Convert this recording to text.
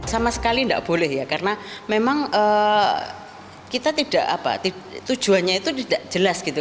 sama sekali tidak boleh ya karena memang kita tidak apa tujuannya itu tidak jelas gitu